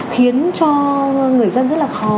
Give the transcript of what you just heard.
khiến cho người dân rất là khó